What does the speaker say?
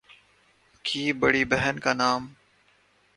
کی بڑی بہن کا نام